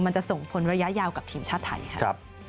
มันจะส่งผลระยะยาวกับทีมชาติไทยครับ